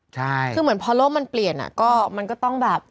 คือเหมือนพอโลกมันเปลี่ยนอะ